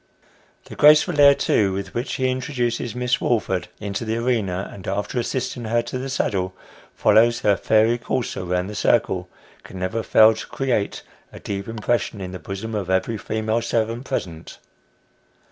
The graceful air, too, with which he introduces Miss Woolford into the arena, and, after assisting her to the saddle, follows her fairy courser round the circle, can never fail to create a deep impression in the bosom of every female servant present.